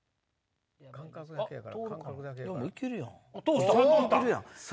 いけるやん。